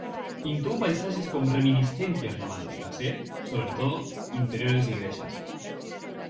Pintou paisaxes con reminiscencias románticas e, sobre todo, interiores de igrexas.